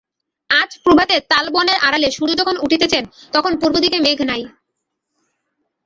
আজ প্রভাতে তালবনের আড়ালে সূর্য যখন উঠিতেছেন, তখন পূর্ব দিকে মেঘ নাই।